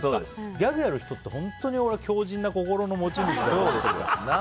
ギャグをやる人って本当に強靭な心の持ち主だと思ってるから。